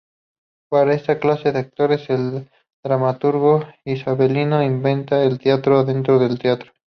Para esta clase de actores el dramaturgo isabelino inventa el "teatro dentro del teatro".